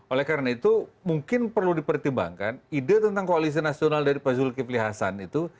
oleh karena itu mungkin perlu dipertimbangkan ide tentang koalisi nasional dari pak zulkifli hasan itu